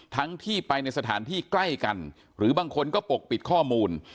ทั้งที่ไปในสถานที่ใกล้กันหรือบางคนก็ปกปิดข้อมูล